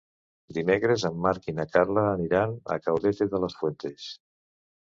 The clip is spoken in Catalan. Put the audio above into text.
Dimecres en Marc i na Carla aniran a Caudete de las Fuentes.